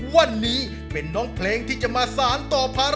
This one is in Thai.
วันนี้เป็นน้องเพลงที่จะมาสารต่อภารกิจ